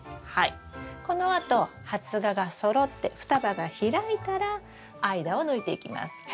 はいこのあと発芽がそろって双葉が開いたら間を抜いていきます。